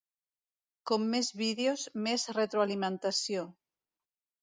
Com més vídeos, més retroalimentació.